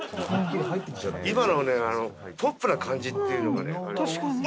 今のポップな感じっていうのが。